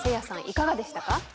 いかがでしたか？